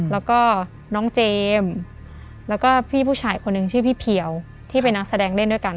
แล้วก็น้องเจมส์แล้วก็พี่ผู้ชายคนหนึ่งชื่อพี่เพียวที่เป็นนักแสดงเล่นด้วยกัน